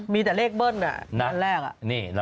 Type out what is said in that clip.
มีแบบเลขเบิ่นเนี่ย